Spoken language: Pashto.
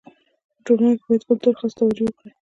په ټولنه کي باید کلتور ته خاصه توجو وکړي.